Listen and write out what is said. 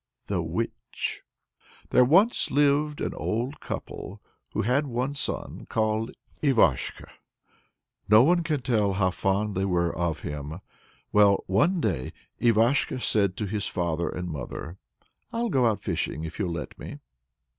THE WITCH. There once lived an old couple who had one son called Ivashko; no one can tell how fond they were of him! Well, one day, Ivashko said to his father and mother: "I'll go out fishing if you'll let me."